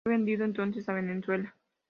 Fue vendido entonces a Venezuela.